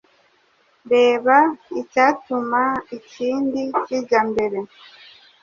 reba icyatuma ikindi kijya mbere.